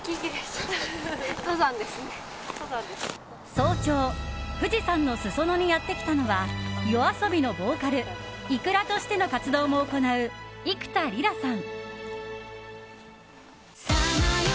早朝富士山の裾野にやってきたのはＹＯＡＳＯＢＩのボーカルｉｋｕｒａとしての活動も行う幾田りらさん。